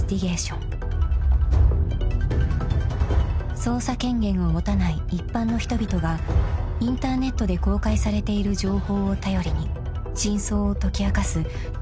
［捜査権限を持たない一般の人々がインターネットで公開されている情報を頼りに真相を解き明かす調査手法］